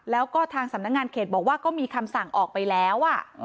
แล้วก็ทางสำนักงานเขตบอกว่าก็มีคำสั่งออกไปแล้ว